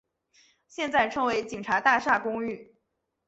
现在称为警察大厦公寓。